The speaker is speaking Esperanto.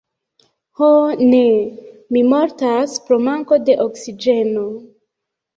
Ho ne! Mi mortas pro manko de oksigeno!